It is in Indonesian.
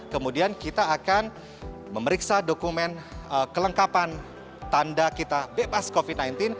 kemudian kita akan memeriksa dokumen kelengkapan tanda kita bebas covid sembilan belas